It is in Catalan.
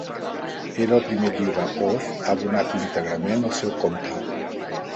Era el primer llibre Oz abonat íntegrament al seu compte.